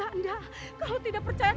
semoga kunjungi derecho acht